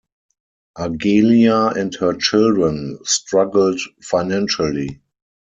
Argelia and her children struggled financially.